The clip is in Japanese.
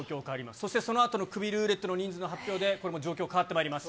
そして、そのあとのクビルーレットの人数の発表で、これも状況変わってまいります。